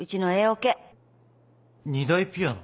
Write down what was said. ２台ピアノ？